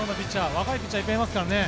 若いピッチャーいっぱいいますからね。